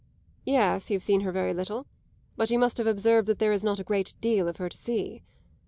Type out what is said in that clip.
"Yes, you've seen her very little; but you must have observed that there is not a great deal of her to see.